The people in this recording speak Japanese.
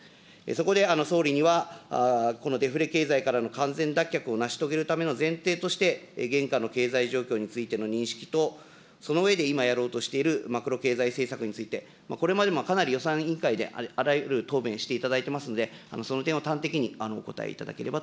そこで総理にはこのデフレ経済からの完全脱却を成し遂げるための前提として、現下の経済状況についての認識と、その上で今やろうとしているマクロ経済政策について、これまでもかなり予算委員会で、あらゆる答弁していただいてますんで、その点を端的にお答え